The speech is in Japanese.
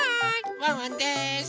ワンワンです！